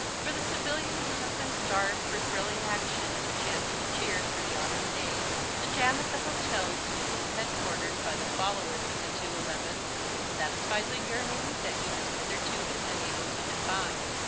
For the civilian who has been starved for thrilling action and the chance to cheer through the autumn days, the jam at the hotels used as headquarters by the followers of the two elevens satisfies a yearning that he has hitherto been unable to define.